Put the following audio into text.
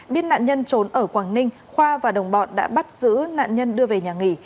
biết nạn nhân trốn ở quảng ninh khoa và đồng bọn đã bắt giữ nạn nhân đưa về nhà nghỉ